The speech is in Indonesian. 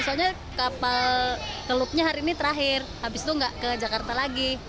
soalnya kapal teluknya hari ini terakhir habis itu nggak ke jakarta lagi